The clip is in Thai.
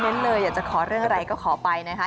เลยอยากจะขอเรื่องอะไรก็ขอไปนะคะ